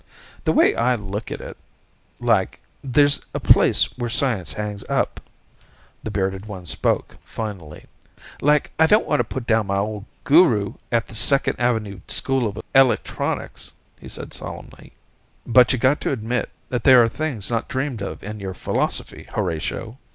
"The way I look at it, like, there's a place where science hangs up," the bearded one spoke, finally. "Like, I don't want to put down my old Guru at the Second Avenue School of Electronics," he added, solemnly. "But you got to admit that there are things not dreamed of in your philosophy, Horatio.